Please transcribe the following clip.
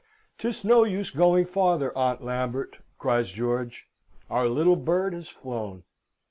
"'Tis no use going farther, Aunt Lambert!" cries George. "Our little bird has flown."